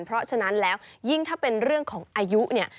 เพราะฉะนั้นแล้วยิ่งถ้าเป็นเรื่องของอายุเนี่ย